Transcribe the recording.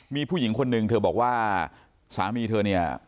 มีผู้หญิงคนนึงเธอบอกว่าสามีเธอเนี่ย